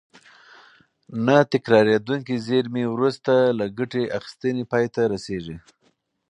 نه تکرارېدونکې زېرمې وروسته له ګټې اخیستنې پای ته رسیږي.